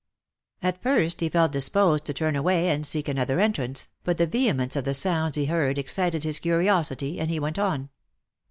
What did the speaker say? At first he felt disposed to turn away and seek another entrance, but the vehemence of the sounds he heard excited his curiosity, and he went on.